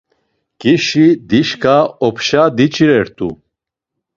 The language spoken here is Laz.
Ǩişis dişǩa opşa diç̌iret̆u.